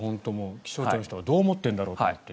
気象庁の人がどう思っているんだろうと思って。